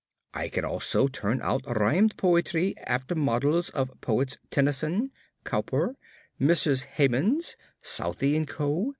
I can also turn out rhymed poetry after models of Poets TENNYSON, COWPER, Mrs HEMANS, SOUTHEY, & Co.